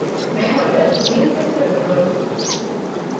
Vémolo en vinte segundos.